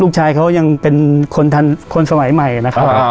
ลูกชายเขายังเป็นคนทันคนสมัยใหม่นะครับ